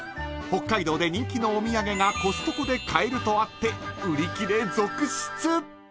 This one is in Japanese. ［北海道で人気のお土産がコストコで買えるとあって売り切れ続出］